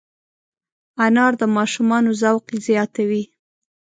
انار د ماشومانو ذوق زیاتوي.